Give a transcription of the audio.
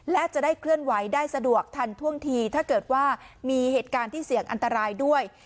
และจะได้เคลื่อนไหวได้สะดวกทันท่วงทีถ้าเกิดว่ามีเหตุการณ์ที่เสี่ยงอันตรายด้วย